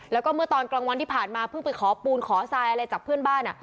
แล้วก็เมื่อตอนกลางวันที่ผ่านมาเพิ่งไปขอปูนขอทรายอะไรจากเพื่อนบ้าน